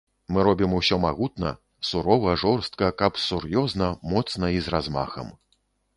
Мы робім усё магутна, сурова, жорстка, каб сур'ёзна, моцна і з размахам.